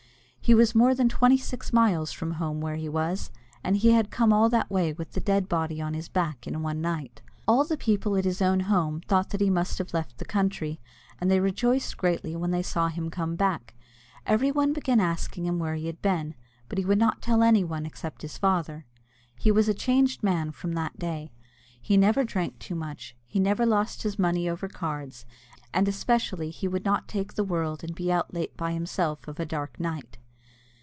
He was more than twenty six miles from home where he was, and he had come all that way with the dead body on his back in one night. All the people at his own home thought that he must have left the country, and they rejoiced greatly when they saw him come back. Everyone began asking him where he had been, but he would not tell anyone except his father. He was a changed man from that day. He never drank too much; he never lost his money over cards; and especially he would not take the world and be out late by himself of a dark night.